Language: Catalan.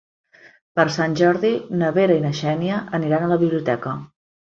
Per Sant Jordi na Vera i na Xènia aniran a la biblioteca.